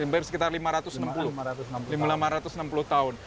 ya hampir sekitar lima ratus enam puluh tahun